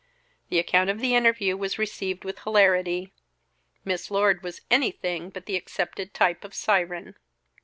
The account of the interview was received with hilarity. Miss Lord was anything but the accepted type of siren.